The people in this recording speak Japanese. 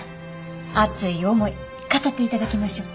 熱い思い語っていただきましょう。